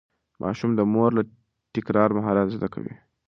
ماشوم د مور له تکرار مهارت زده کوي.